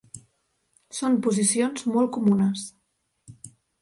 Són posicions molt comunes.